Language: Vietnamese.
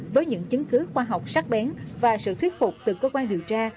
với những chứng cứ khoa học sắc bén và sự thuyết phục từ cơ quan điều tra